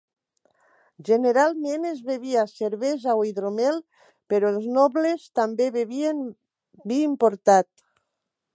Generalment es bevia cervesa o hidromel, però els nobles també bevien vi importat.